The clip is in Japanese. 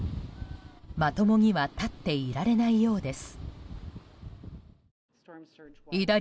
まともには立っていられないようです。